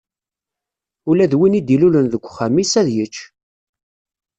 Ula d win i d-ilulen deg uxxam-is, ad yečč.